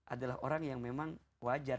adalah orang yang memang wajar